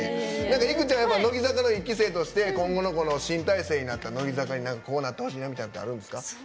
いくちゃん、乃木坂の今後の新体制になった乃木坂にこうなってほしいなってあるんですか？